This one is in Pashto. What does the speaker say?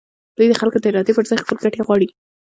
دوی د خلکو د ارادې پر ځای خپلې ګټې غواړي.